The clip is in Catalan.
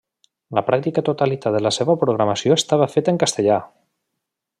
La pràctica totalitat de la seua programació estava feta en castellà.